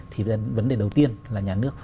thì vấn đề đầu tiên là nhà nước